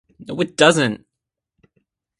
No it doesn't!